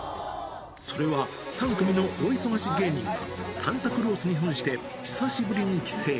それは３組のお忙し芸人が、サンタクロースにふんして久しぶりに帰省。